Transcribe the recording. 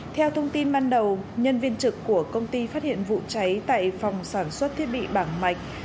theo thông tin ban đầu nhân viên trực của công ty phát hiện vụ cháy tại phòng sản xuất thiết bị bảng mạch